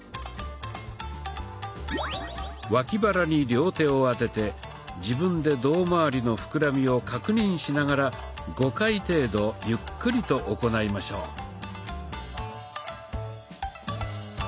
脇腹に両手を当てて自分で胴まわりの膨らみを確認しながら５回程度ゆっくりと行いましょう。